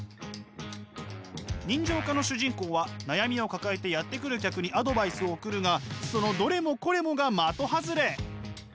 人情家の主人公は悩みを抱えてやって来る客にアドバイスを送るがそのどれもこれもが的外れ！